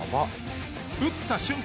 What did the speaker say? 打った瞬間